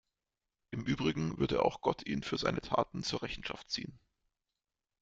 Im Übrigen würde auch Gott ihn für seine Taten zur Rechenschaft ziehen.